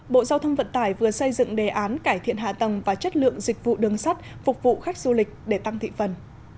bộ giao thông vận tải vừa xây dựng đề án cải thiện hạ tầng và chất lượng dịch vụ đường sắt phục vụ khách du lịch để tăng thị phần